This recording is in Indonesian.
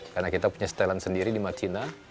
karena kita punya setelan sendiri di macina